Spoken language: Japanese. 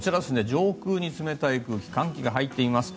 上空に冷たい空気寒気が入っています。